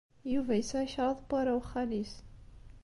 Yuba yesɛa kraḍ n warraw n xali-s.